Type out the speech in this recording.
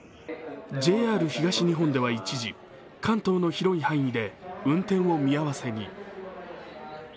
ＪＲ東日本では一時、関東の広い範囲で運転を見合わせに。